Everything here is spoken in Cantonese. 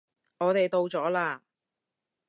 我哋到咗喇